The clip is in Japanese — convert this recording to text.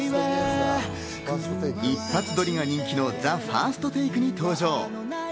一発録りが人気の「ＴＨＥＦＩＲＳＴＴＡＫＥ」に登場。